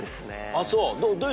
あっそう。